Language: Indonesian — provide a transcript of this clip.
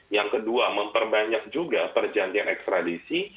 yang kedua memperbanyak juga perjanjian ekstradisi